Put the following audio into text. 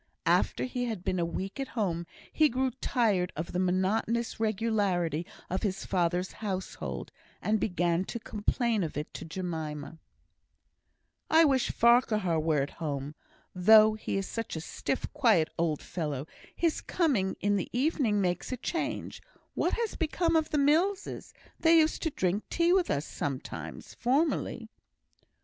After he had been a week at home, he grew tired of the monotonous regularity of his father's household, and began to complain of it to Jemima. "I wish Farquhar were at home. Though he is such a stiff, quiet old fellow, his coming in in the evenings makes a change. What has become of the Millses? They used to drink tea with us sometimes, formerly."